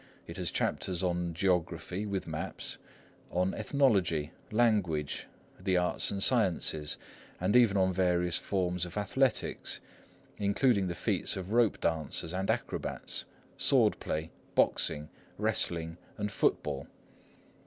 It has chapters on Geography, with maps; on Ethnology, Language, the Arts and Sciences, and even on various forms of Athletics, including the feats of rope dancers and acrobats, sword play, boxing, wrestling, and foot ball.